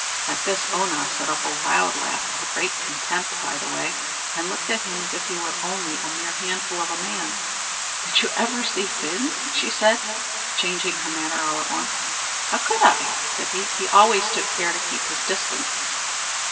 At this Oonagh set up a loud laugh, of great contempt, by the way, and looked at him as if he was only a mere handful of a man. "Did you ever see Fin?" said she, changing her manner all at once. "How could I," said he; "he always took care to keep his distance."